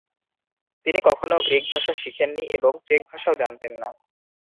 তিনি কখনও গ্রিক ভাষা শিখেননি এবং চেক ভাষাও জানতেন না।